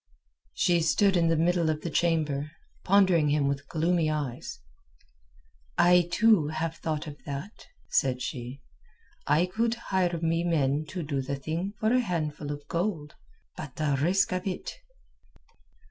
She stood in the middle of the chamber, pondering him with gloomy eyes "I too have thought of that," said she. "I could hire me men to do the thing for a handful of gold. But the risk of it...."